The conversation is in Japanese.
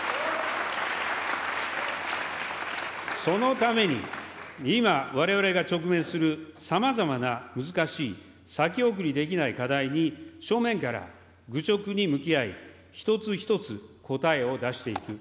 そのために、今、われわれが直面する、さまざまな難しい、先送りできない課題に正面から愚直に向き合い、一つ一つ答えを出していく。